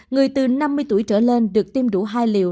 người từ năm mươi tuổi trở lên được tiêm đủ hai liều